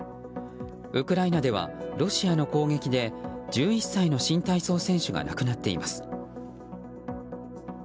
ウクライナではロシアの攻撃で１１歳の新体操選手が亡くなっています。